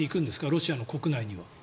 ロシアの国内には。